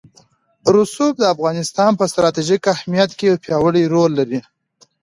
رسوب د افغانستان په ستراتیژیک اهمیت کې یو پیاوړی رول لري.